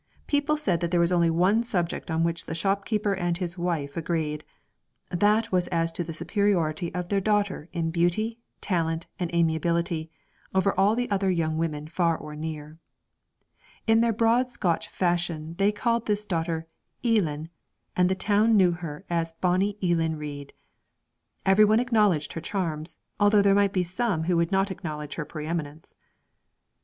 People said that there was only one subject on which the shopkeeper and his wife agreed, that was as to the superiority of their daughter in beauty, talent, and amiability, over all other young women far or near. In their broad Scotch fashion they called this daughter Eelan, and the town knew her as 'Bonnie Eelan Reid'; everyone acknowledged her charms, although there might be some who would not acknowledge her preeminence.